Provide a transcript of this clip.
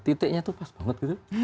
titiknya tuh pas banget gitu